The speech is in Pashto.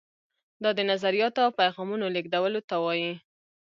دا د نظریاتو او پیغامونو لیږدولو ته وایي.